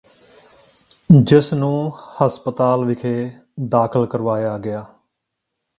ਜਿਸ ਨੂੰ ਹਸਪਤਾਲ ਵਿਖੇ ਦਾਖ਼ਲ ਕਰਵਾਇਆ ਗਿਆ